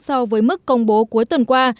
so với mức công bố cuối tuần qua